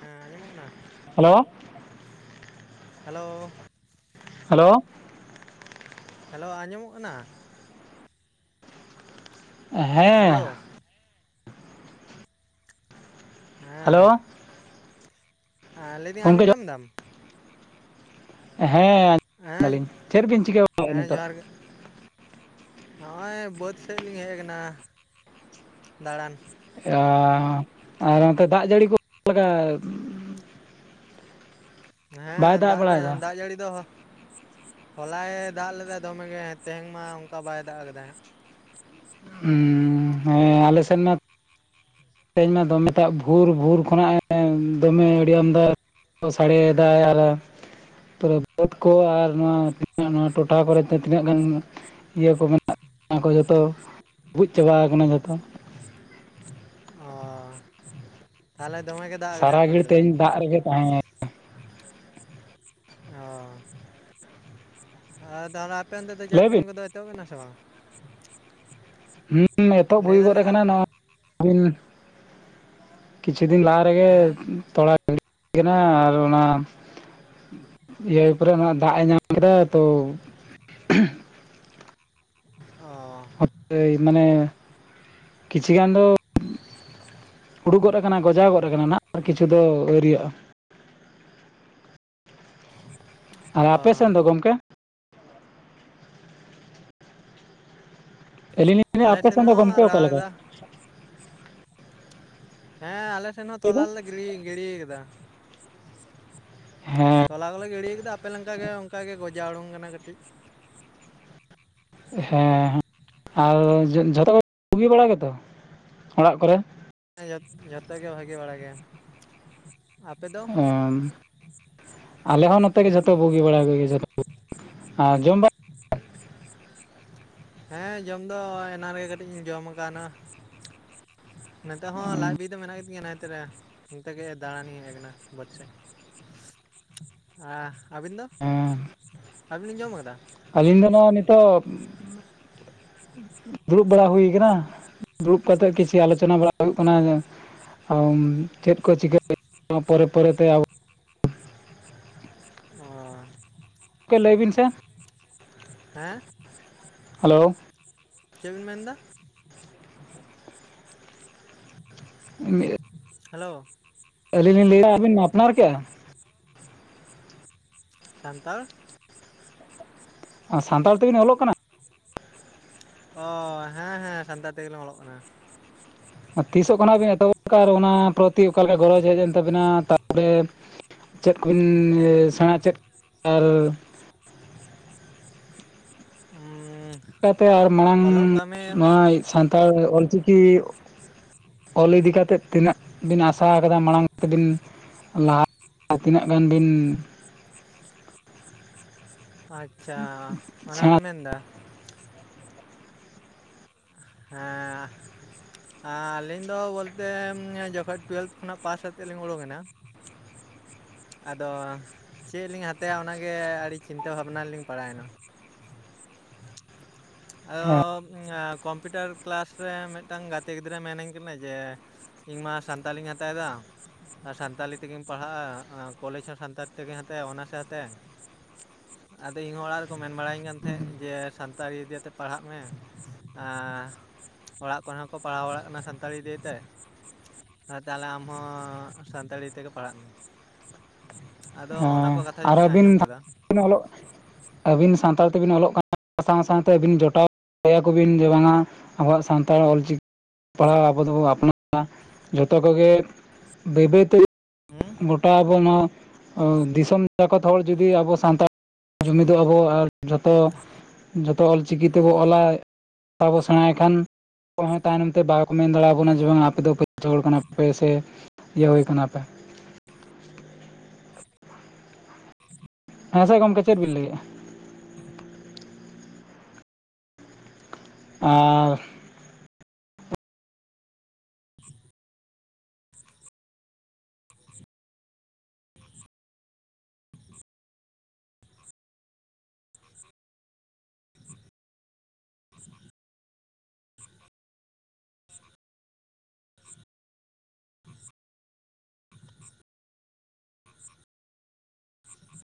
ᱦᱮᱸ ᱟᱸᱡᱚᱢᱚᱜ ᱠᱟᱱᱟ ᱦᱮᱞᱳ ᱦᱮᱞᱳ ᱦᱮᱞᱳ ᱦᱮᱞᱳ ᱟᱸᱡᱚᱢᱚᱜ ᱠᱟᱱᱟ, ᱦᱮᱞᱳ ᱦᱮᱸ, ᱦᱮᱞᱳ ᱦᱮᱸ, ᱟ ᱞᱮᱭᱫᱤᱧ ᱜᱚᱢᱠᱮ ᱟᱸᱡᱚᱢ ᱧᱟᱢ ᱡᱚᱦᱟᱨ ᱫᱟᱢ, ᱦᱮᱸ ᱟᱸᱡᱚᱢ ᱦᱮᱸ ᱫᱟᱞᱤᱧ ᱪᱮᱫᱵᱤᱱ ᱪᱤᱠᱟᱹ ᱵᱟᱲᱟᱭᱟ ᱱᱤᱛᱚᱜ, ᱦᱚᱸᱜᱼᱚᱭ ᱵᱟᱹᱫᱽ ᱥᱮᱜ ᱞᱤᱧ ᱦᱮᱡ ᱠᱟᱱᱟ ᱫᱟᱬᱟᱱ, ᱟᱻ ᱟᱨ ᱚᱱᱛᱮ ᱫᱟᱜ ᱡᱟᱹᱲᱤ ᱠᱚ ᱞᱮᱠᱟ? ᱵᱟᱭ ᱦᱮᱸ ᱫᱟᱜ ᱫᱟᱭ ᱵᱟᱲᱟᱭᱮᱫᱟ ᱫᱟᱜ ᱡᱟᱹᱲᱤ ᱫᱚ ᱦᱚᱞᱟᱭ ᱫᱟᱜ ᱞᱮᱫᱟᱭ ᱫᱚᱢᱮ ᱜᱮ ᱛᱮᱦᱮᱝ ᱢᱟ ᱚᱝᱠᱟ ᱵᱟᱭ ᱫᱟᱜ ᱠᱟᱫᱟᱭ᱾ ᱦᱩᱸ ᱦᱮᱸ ᱟᱞᱮᱥᱮᱫ ᱢᱟ ᱛᱮᱧ ᱢᱟ ᱫᱚᱢᱮ ᱫᱟᱜ ᱵᱷᱳᱨ ᱵᱷᱳᱨ ᱠᱷᱚᱱᱟᱜᱼᱮ ᱫᱚᱢᱮ ᱟᱹᱰᱤ ᱟᱢᱫᱟ ᱥᱟᱲᱮᱭᱮᱫᱟᱭ ᱟᱨᱮ ᱯᱩᱨᱟ ᱵᱟᱹᱫᱽ ᱠᱚ ᱟᱨ ᱱᱚᱣᱟ ᱱᱚᱣᱟ ᱴᱚᱴᱷᱟ ᱠᱚᱨᱮ ᱛᱮ ᱛᱤᱱᱟᱹᱜ ᱜᱟᱱ ᱤᱭᱟᱹ ᱠᱚ ᱢᱮᱱᱟᱜ ᱚᱱᱟ ᱠᱚ ᱡᱚᱛᱚ ᱰᱩᱵᱩᱡ ᱪᱟᱵᱟᱣ ᱠᱟᱱᱟ ᱡᱚᱛᱚ ᱾ ᱟ ᱛᱟᱦᱚᱞᱮ ᱫᱚᱢᱮ ᱜᱮ ᱫᱟᱜ? ᱥᱟᱨᱟ ᱜᱷᱟᱹᱲᱤ ᱫᱚ ᱛᱮᱦᱮᱧ ᱫᱟᱜ ᱨᱮᱜᱮ ᱛᱟᱦᱮᱸ ᱚ ᱛᱟᱦᱚᱞᱮ ᱟᱯᱮ ᱚᱱᱛᱮ ᱫᱚ ᱪᱟᱥ ᱞᱟᱹᱭ ᱠᱟᱹᱢᱤ ᱵᱤᱱ ᱠᱚᱫᱚ ᱮᱛᱚᱦᱚᱵ ᱮᱱᱟ ᱥᱮ ᱵᱟᱝ? ᱦᱩᱸ ᱮᱛᱚᱦᱚᱵ ᱞᱟᱹᱭ ᱦᱩᱭ ᱜᱚᱫ ᱫᱟᱞᱤᱧ ᱟᱠᱟᱱᱟ, ᱱᱚᱣᱟ ᱠᱤᱪᱷᱩ ᱫᱤᱱ ᱞᱟᱦᱟ ᱨᱮᱜᱮ ᱦᱮᱸ ᱛᱚᱞᱟ [inaudible] ᱠᱟᱱᱟ ᱟᱨ ᱚᱱᱟ ᱤᱭᱟᱹ ᱯᱚᱨᱮ ᱚᱱᱟ ᱫᱟᱜ ᱮ ᱧᱟᱢ ᱠᱮᱫᱟ ᱛᱚ ᱚ ᱦᱟᱯ ᱯᱮᱭ ᱢᱟᱱᱮ ᱠᱤᱪᱷᱤ ᱜᱟᱱ ᱫᱚ ᱦᱩᱲᱩ ᱜᱚᱫ ᱠᱟᱱᱟ ᱜᱚᱡᱟᱣ ᱜᱚᱫ ᱠᱟᱱᱟ ᱱᱟᱜ ᱟᱨ ᱠᱤᱪᱷᱩ ᱫᱚ ᱟᱹᱣᱨᱤᱭᱟᱜᱼᱟ᱾ ᱟᱨ ᱚ ᱟᱯᱮ ᱥᱮᱱ ᱫᱚ ᱜᱚᱝᱠᱮ? ᱟᱹᱞᱤᱧ ᱞᱤᱧ ᱞᱟᱹᱭᱫᱟ ᱟᱞᱮ ᱟᱯᱮ ᱥᱮᱱ ᱫᱚ ᱦᱚᱸ [inaudible] ᱜᱚᱢᱠᱮ ᱵᱟᱲᱟ ᱚᱠᱟ ᱞᱮᱠᱟ ᱠᱟᱫᱟ᱾ ᱦᱮᱸ ᱟᱞᱮ ᱥᱮᱱ ᱦᱚᱸ ᱞᱟᱹᱭ ᱛᱚᱞᱟ ᱵᱮᱱ ᱞᱮ ᱜᱤᱲᱤ ᱜᱤᱲᱤ ᱠᱟᱫᱟ ᱾ ᱦᱮᱸ ᱛᱚᱞᱟ ᱠᱚᱞᱮ ᱜᱤᱲᱤᱭ ᱠᱟᱫᱟ ᱟᱯᱮ ᱞᱮᱝᱠᱟ ᱜᱮ ᱚᱝᱠᱟ ᱜᱮ ᱜᱚᱡᱟ ᱳᱲᱳᱝ ᱠᱟᱱᱟ ᱠᱟᱹᱴᱤᱡ ᱦᱮᱸ ᱦᱮᱸ ᱟᱨ ᱡᱷᱚᱛᱚ ᱠᱚ ᱵᱩᱜᱤ ᱵᱟᱲᱟ ᱜᱮᱛᱚ ᱚᱲᱟᱜ ᱠᱚᱨᱮ? ᱦᱮᱸ ᱡᱚᱛᱚ ᱜᱮ ᱵᱷᱟᱹᱜᱮ ᱵᱟᱲᱟ ᱜᱮ᱾ ᱟᱯᱮ ᱫᱚ ᱟᱢ ᱟᱞᱮ ᱦᱚᱸ ᱱᱚᱛᱮ ᱜᱮ ᱡᱷᱚᱛᱚ ᱵᱩᱜᱤ ᱵᱟᱲᱟ ᱠᱚᱜᱮ ᱡᱚᱛᱚ ᱟᱨ ᱡᱚᱢ ᱦᱮᱸ ᱡᱚᱢ ᱫᱚ ᱮᱱᱟ ᱨᱮᱜᱮ ᱠᱟᱹᱴᱤᱡ ᱤᱧ ᱡᱚᱢ ᱠᱟᱜᱼᱟ ᱱᱟᱸᱜ ᱾ ᱱᱮᱛᱚᱜ ᱦᱚᱸ ᱞᱟᱡ ᱵᱤ ᱫᱚ ᱢᱮᱱᱟᱜ ᱜᱤᱛᱤᱧᱟ ᱱᱟᱭ ᱛᱚᱨᱟ ᱾ ᱚᱱᱛᱮ ᱜᱮ ᱫᱟᱬᱟᱱᱤᱧ ᱦᱮᱜ ᱠᱟᱱᱟ ᱵᱟᱹᱫᱽ ᱥᱮᱜ ᱾ [inaudible] ᱟ ᱟᱹᱵᱤᱱ ᱫᱚ ᱦᱮᱸ ᱟᱹᱵᱤᱱ ᱵᱤᱧ ᱡᱚᱢ ᱠᱟᱫᱟ? ᱟᱹᱞᱤᱧ ᱫᱚ ᱱᱚᱣᱟ ᱱᱤᱛᱚᱜ ᱫᱩᱲᱩᱵ ᱵᱟᱲᱟ ᱦᱩᱭ ᱠᱟᱱᱟ, ᱫᱩᱲᱩᱵ ᱠᱟᱛᱮᱜ ᱠᱤᱪᱷᱩ ᱟᱞᱳᱪᱚᱱᱟ ᱵᱟᱲᱟ ᱦᱩᱭᱩᱜ ᱠᱟᱱᱟ ᱪᱮᱫ ᱠᱚ ᱪᱤᱠᱟᱹ ᱯᱚᱨᱮ ᱯᱚᱨᱮᱛᱮ ᱟᱵᱚ ᱚ ᱜᱚᱝᱠᱮ ᱞᱟᱹᱭ ᱵᱤᱱ ᱥᱮ ᱦᱮᱸ ᱦᱮᱞᱳ ᱾ ᱪᱮᱫ ᱵᱤᱱ ᱢᱮᱱ ᱫᱟ? ᱢᱤᱫ ᱦᱮᱞᱳ ᱾ ᱟᱹᱞᱤᱧ ᱞᱤᱧ ᱞᱟᱹᱭ ᱮᱫᱟ, ᱟᱵᱤᱱ ᱢᱟ ᱟᱯᱱᱟᱨ ᱠᱮᱭᱟ? ᱥᱟᱱᱛᱟᱲ ᱥᱟᱱᱛᱟᱲ ᱛᱮᱵᱤᱱ ᱚᱞᱚᱜ ᱠᱟᱱᱟ? ᱚ ᱦᱮᱸ ᱦᱮᱸ ᱥᱟᱱᱛᱟᱲ ᱛᱮᱜᱮᱞᱝ ᱚᱞᱚᱜ ᱠᱟᱱᱟ᱾ ᱛᱤᱥᱚᱜ ᱠᱷᱚᱱᱟᱜ ᱵᱮᱱ ᱮᱛᱚᱦᱚᱵ ᱠᱟᱫᱼᱟ, ᱚᱱᱟ ᱯᱨᱚᱛᱤ ᱚᱠᱟᱞᱮ ᱜᱚᱨᱚᱡᱽ ᱦᱮᱡ ᱮᱱ ᱛᱟᱵᱤᱱᱟ ᱛᱟᱯᱚᱨᱮ ᱪᱮᱫ ᱠᱚᱵᱤᱱ ᱥᱮᱬᱟ ᱪᱮᱫ ᱟᱨ [inaudible] [unintelligible] ᱞᱮᱠᱟᱛᱮ ᱟᱨ ᱢᱟᱲᱟᱝ ᱚᱞᱚᱜ ᱠᱟᱹᱢᱤ ᱱᱚᱣᱟ ᱥᱟᱱᱛᱟᱲ ᱚᱞ ᱪᱤᱠᱤ ᱚᱞ ᱤᱫᱤ ᱠᱟᱛᱮᱫ ᱛᱤᱱᱟᱹᱜ ᱵᱤᱱ ᱟᱥᱟ ᱟᱠᱟᱫᱟ ᱢᱟᱲᱟᱝ ᱛᱮᱵᱤᱱ ᱞᱟᱦᱟ ᱛᱤᱱᱟᱹᱜ ᱜᱟᱱ ᱵᱤᱱ ᱟᱪᱪᱷᱟ ᱥᱮᱬᱟ ᱚᱱᱟᱵᱤᱱ ᱢᱮᱱᱫᱟ᱾ ᱦᱮᱸ᱾ ᱟᱹᱞᱤᱧ ᱫᱚ ᱵᱚᱞᱛᱮ ᱡᱚᱠᱷᱚᱱ ᱴᱩᱭᱮᱛᱷ ᱠᱷᱚᱱᱟᱜ ᱯᱟᱥ ᱟᱛᱮᱫ ᱞᱤᱧ ᱩᱰᱩᱠᱮᱱᱟ᱾ [inaudible] ᱟᱫᱚ ᱪᱮᱫ ᱞᱤᱧ ᱦᱟᱛᱟᱭᱟ ᱚᱱᱟᱜᱮ ᱟᱹᱰᱤ ᱪᱤᱱᱛᱟᱹ ᱵᱷᱟᱵᱽᱱᱟ ᱨᱮᱞᱤᱧ ᱯᱟᱲᱟᱭᱮᱱᱟ᱾ ᱟᱫᱚ ᱠᱚᱢᱯᱤᱭᱩᱴᱟᱨ ᱠᱞᱟᱥ ᱨᱮ ᱢᱤᱫᱴᱟᱱ ᱜᱟᱛᱮ ᱜᱤᱫᱽᱨᱟᱹ ᱢᱮᱱᱟᱹᱧ ᱠᱟᱱᱟᱭ ᱡᱮᱼᱼ ᱤᱧ ᱢᱟ ᱥᱟᱱᱛᱟᱞᱤᱧ ᱦᱟᱛᱟᱭᱮᱫᱟ᱾ ᱟᱨ ᱥᱟᱱᱛᱟᱲᱤ ᱛᱮᱜᱮᱢ ᱯᱟᱲᱦᱟᱜᱼᱟ ᱠᱚᱞᱮᱡᱽ ᱦᱚᱸ ᱥᱟᱱᱛᱟᱲᱤ ᱛᱮᱜᱮᱧ ᱦᱟᱛᱟᱭᱟ ᱚᱱᱟᱥᱮ ᱦᱟᱛᱟᱭᱟ᱾ ᱟᱫᱚ ᱤᱧ ᱦᱚᱸ ᱚᱲᱟᱜ ᱨᱮᱠᱚ ᱢᱮᱱ ᱵᱟᱲᱟᱭᱤᱧ ᱠᱟᱱ ᱛᱟᱦᱮᱸᱫ ᱡᱮ ᱥᱟᱱᱛᱟᱲᱤ ᱤᱫᱤᱭᱟᱛᱮᱼᱼ ᱯᱟᱲᱦᱟᱜ ᱢᱮ ᱟᱨᱼᱼ ᱚᱲᱟᱜ ᱠᱚᱨᱮ ᱦᱚᱸᱠᱚ ᱯᱟᱲᱦᱟᱣ ᱵᱟᱲᱟᱜ ᱠᱟᱱᱟ ᱥᱟᱱᱛᱟᱲᱤ ᱤᱫᱤ ᱠᱟᱛᱮ᱾ ᱛᱟᱦᱞᱮ ᱟᱢ ᱦᱚᱸ ᱥᱟᱱᱛᱟᱲᱤ ᱛᱮᱜᱮ ᱯᱟᱲᱟᱜ ᱢᱮ, ᱟᱫᱚ ᱚᱱᱟᱼᱼ ᱟᱨ ᱟᱹᱵᱤᱱ [unintelligible] ᱚᱞᱚᱜᱼᱼ ᱟᱹᱵᱤᱱ ᱥᱟᱱᱛᱟᱲ ᱛᱮᱵᱤᱱ ᱚᱞᱚᱜ ᱠᱟᱱᱟ ᱥᱟᱶ ᱥᱟᱶᱛᱮ ᱟᱹᱵᱤᱱ ᱡᱚᱴᱟᱣ ᱠᱚᱭᱟ ᱠᱚᱵᱤᱱ ᱡᱮ ᱵᱟᱝᱟᱼᱼ ᱟᱵᱚᱣᱟᱜ ᱥᱟᱱᱛᱟᱲ ᱚᱞᱪᱤᱠᱤ ᱯᱟᱲᱦᱟᱣ ᱟᱵᱚ ᱫᱚᱵᱚ ᱟᱯᱱᱟᱨᱟ ᱡᱷᱚᱛᱚ ᱠᱚᱜᱮ᱾ ᱵᱟᱹᱭ ᱵᱟᱹᱭ ᱛᱮᱼᱼ [unintelligible] ᱜᱚᱴᱟ ᱟᱵᱚ ᱱᱚᱣᱟ ᱫᱤᱥᱚᱢ ᱡᱟᱠᱚᱛ ᱦᱚᱲ ᱡᱩᱫᱤ ᱟᱵᱚ ᱥᱟᱱᱛᱟᱲᱼᱼ ᱡᱩᱢᱤᱫᱚᱜᱼᱟ ᱵᱚ ᱟᱨ ᱡᱚᱛᱚ ᱡᱚᱛᱚ ᱚᱞᱪᱤᱠᱤ ᱛᱮᱵᱚ ᱚᱞᱟ᱾ ᱛᱟᱵᱚ ᱥᱮᱬᱟᱭ ᱠᱷᱟᱱᱼᱼ ᱚᱠᱚᱭ ᱦᱚᱸ ᱛᱟᱭᱱᱚᱢ ᱛᱮ ᱵᱟᱠᱚ ᱢᱮᱱ ᱫᱟᱲᱮᱭᱟ ᱵᱚᱱᱟ ᱡᱮ ᱵᱟᱝ ᱟᱯᱮ ᱫᱚ [unintelligible] ᱦᱚᱲ ᱠᱟᱱᱟ ᱯᱮ ᱥᱮ ᱤᱭᱟᱹ ᱦᱩᱭ ᱠᱟᱱᱟ ᱯᱮ᱾ [inaudible] [unintelligible] ᱦᱮᱸ ᱥᱮ ᱜᱚᱢᱠᱮ ᱪᱮᱫ ᱵᱤᱱ ᱞᱟᱹᱭᱮᱜᱼᱟ? ᱟᱨᱼᱼ [unintelligible] [inaudible] [inaudible] [inaudible] [inaudible] [inaudible]